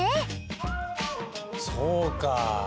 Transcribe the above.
そうか！